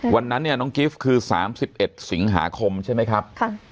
วันนั้นเนี่ยน้องกิฟต์คือ๓๑สิงหาคมใช่ไหมครับ